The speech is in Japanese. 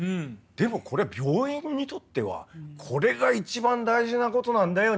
でもこれ病院にとってはこれが一番大事なことなんだよ